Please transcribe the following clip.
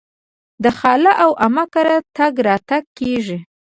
د خاله او عمه کره تګ راتګ کیږي.